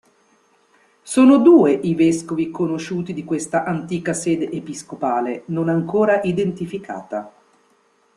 Sono due i vescovi conosciuti di questa antica sede episcopale, non ancora identificata.